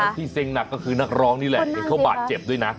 แล้วที่เซ็งหนักก็คือนักร้องนี่แหละเข้าบ้านเจ็บด้วยนะ